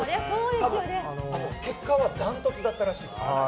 多分、結果はダントツだったらしいですよ。